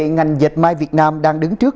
ngành dịch may việt nam đang đứng trước